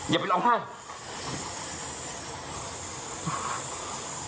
อย่าไปร้องไห้